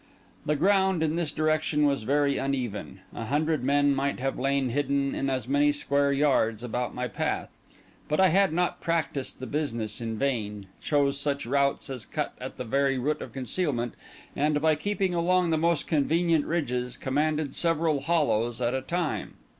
The ground in this direction was very uneven; a hundred men might have lain hidden in as many square yards about my path. But I had not practised the business in vain, chose such routes as cut at the very root of concealment, and, by keeping along the most convenient ridges, commanded several hollows at a time.